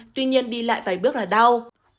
tuy nhiên đi lại vài bước là đau